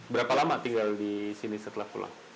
berapa lama tinggal disini setelah pulang